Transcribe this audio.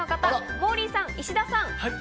モーリーさんと石田さん。